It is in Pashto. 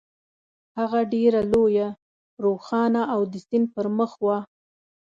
هغه ډېره لویه، روښانه او د سیند پر مخ وه.